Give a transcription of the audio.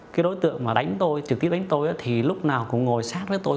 cái đối tượng mà đánh tôi trực tiếp đánh tôi thì lúc nào cũng ngồi sát với tôi